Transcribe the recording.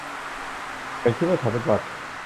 ฉันคิดว่าฉันเป็นหวัด